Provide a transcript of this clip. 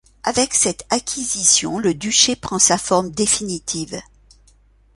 Avec cette acquisition, le duché prend sa forme définitive.